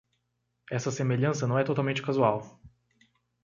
Essa semelhança não é totalmente casual.